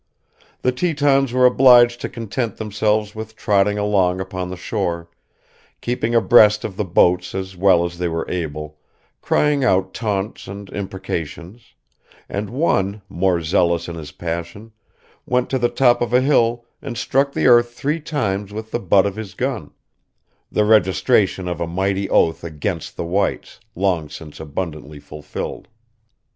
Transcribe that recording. The Tetons were obliged to content themselves with trotting along upon the shore, keeping abreast of the boats as well as they were able, crying out taunts and imprecations; and one, more zealous in his passion, went to the top of a hill and struck the earth three times with the butt of his gun, the registration of a mighty oath against the whites, long since abundantly fulfilled.